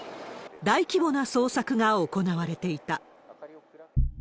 大規模な捜索が行われていた。